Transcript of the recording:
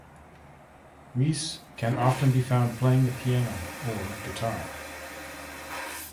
Wees can often be found playing the piano or guitar.